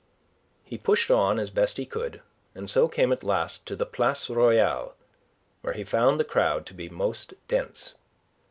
He pushed on as best he could, and so came at last to the Place Royale, where he found the crowd to be most dense.